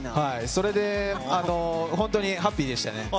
それで、本当にハッピーでしたね。